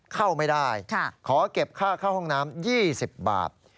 เข้าไม่ได้ขอเก็บค่าเข้าห้องน้ำ๒๐บาท